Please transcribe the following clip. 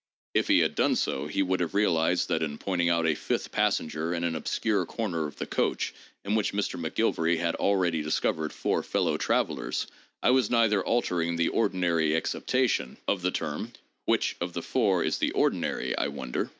If he had done so, he would have realized that in pointing out a fifth passenger in an obscure corner of the coach in which Mr. McGilvary had already discovered four fellow travelers, I was neither altering the "ordinary acceptation" of the term (which of the four is the "ordinary," I wonder?)